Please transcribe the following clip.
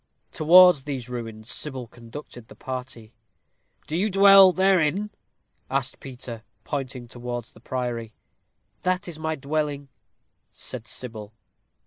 Towards these ruins Sybil conducted the party. "Do you dwell therein?" asked Peter, pointing towards the priory. "That is my dwelling," said Sybil.